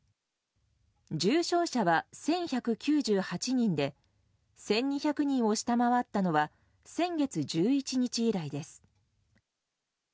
重症者は１１９８人で１２００人を下回ったのは先月１１日以来です。